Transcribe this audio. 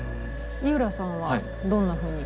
井浦さんはどんなふうに？